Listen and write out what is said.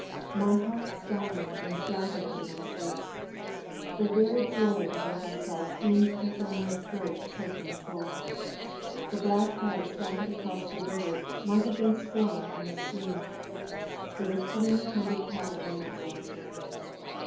My heart sang and shouted under my shirt. The very joy of what I saw seemed to fill my throat choking full. The black heads dotted across the river might have been strung on a string. There were three hundred cattle in that water.